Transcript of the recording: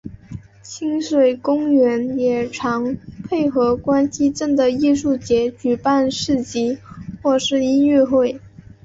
亲水公园也常配合关西镇的艺术节举办市集或是音乐会。